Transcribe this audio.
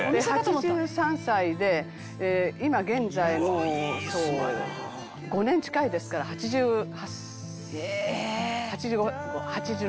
「８３歳で今現在もうそう５年近いですから８８８６」